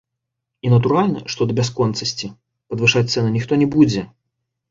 І натуральна, што да бясконцасці падвышаць цэны ніхто не будзе.